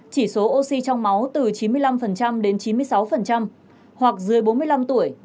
chỉ số oxy trong máu từ chín mươi năm đến chín mươi sáu hoặc dưới bốn mươi năm tuổi